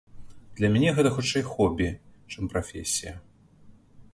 Для мяне гэта хутчэй хобі, чым прафесія.